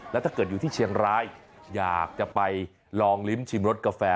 แล้วถ้าเกิดอยู่ที่เชียงรายอยากจะไปลองลิ้มชิมรสกาแฟ